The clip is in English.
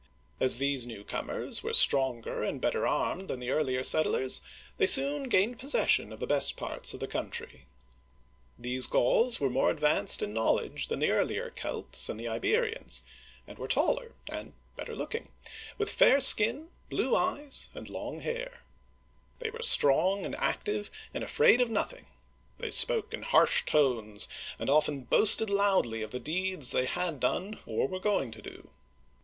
As these newcomers were stronger and better armed than the earlier settlers, thfcy soon gained possession of the best parts of the country. These Gauls were more advanced in knowledge than the earlier Celts and the Iberians, and were taller and ^See Guerber's Story of the English^ pi>. 16 20, Digitized by VjOOQIC 14 OLD FRANCE better looking, with fair skin, blue eyes, and long hair. They were strong and active and afraid of nothing. They spoke in harsh tones, and often boasted loudly of the deeds they had done or were going to do.